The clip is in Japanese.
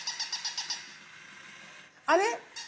あれ？